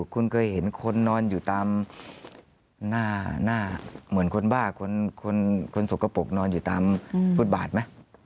คุณเคยเห็นคนนอนอยู่ตามหน้าเหมือนคนบ้าคนสกปรกนอนอยู่ตามฟุตบาทไหม